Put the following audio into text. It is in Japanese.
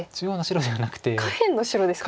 下辺の白ですか。